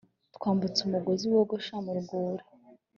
twambutse umugozi wogosha mu rwuri